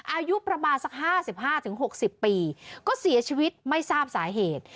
อายุประมาณสักห้าสิบห้าถึงหกสิบปีก็เสียชีวิตไม่ทราบสาเหตุ